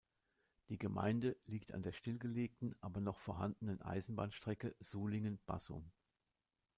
Die Gemeinde liegt an der stillgelegten, aber noch vorhandenen Eisenbahnstrecke Sulingen–Bassum.